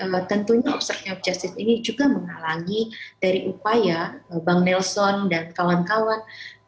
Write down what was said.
nah tentunya obstruction of justice ini juga menghalangi dari upaya bang nelson dan kawan kawan